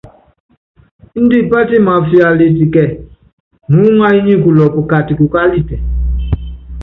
Índɛ pátimáfiálítɛ kíɛ, muúŋayɔ́ nyi kulɔpɔ kati kukálitɛ.